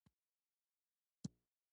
د باختر سرو زرو کمربند د شیرانو انځور لري